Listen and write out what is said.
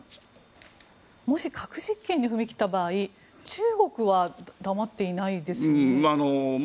もし核実験に踏み切った場合中国は黙っていないですよね。